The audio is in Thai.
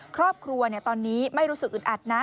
ครอบครัวตอนนี้ไม่รู้สึกอึดอัดนะ